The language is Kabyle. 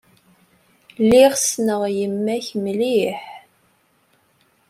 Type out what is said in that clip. Lliɣ ssneɣ yemma-k mliḥ.